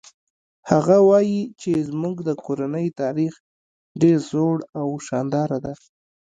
هغه وایي چې زموږ د کورنۍ تاریخ ډېر زوړ او شانداره ده